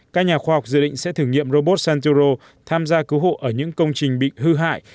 các nhà khoa học dự định sẽ thử nghiệm robot santuro tham gia cứu hộ ở những công trình bị hư hại